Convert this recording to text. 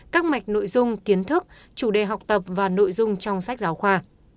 các mạch nội dung kiến thức chủ đề học tập và nội dung trong sách giáo khoa